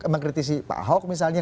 mengkritisi pak hock misalnya